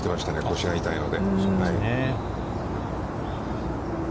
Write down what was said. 腰が痛いので。